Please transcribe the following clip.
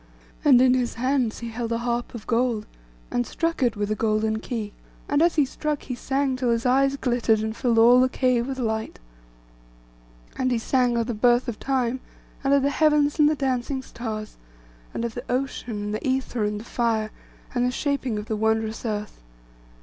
And in his hands he held a harp of gold, and struck it with a golden key; and as he struck, he sang till his eyes glittered, and filled all the cave with light. And he sang of the birth of Time, and of the heavens and the dancing stars; and of the ocean, and the ether, and the fire, and the shaping of the wondrous earth.